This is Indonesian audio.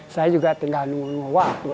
saya juga tinggal nunggu waktu